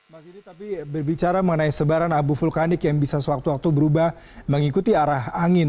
mas ini tapi berbicara mengenai sebaran abu vulkanik yang bisa sewaktu waktu berubah mengikuti arah angin